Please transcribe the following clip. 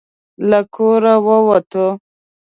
له کوره ووتو.